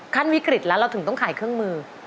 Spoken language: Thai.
ขั้นวิกฤตแล้วเราถึงต้องขายเครื่องมือ